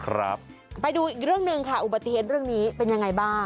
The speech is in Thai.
ไปดูอีกเรื่องหนึ่งค่ะอุบัติเหตุเรื่องนี้เป็นยังไงบ้าง